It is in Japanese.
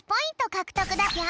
かくとくだぴょん。